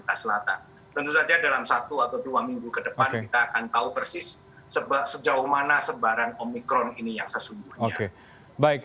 tentu saja dalam satu atau dua minggu ke depan kita akan tahu persis sejauh mana sebaran omikron ini yang sesungguhnya baik